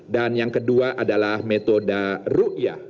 dan yang kedua adalah metode ru'yah